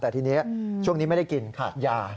แต่ทีนี้ช่วงนี้ไม่ได้กินขาดยา